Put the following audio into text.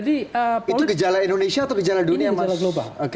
itu gejala indonesia atau gejala dunia mas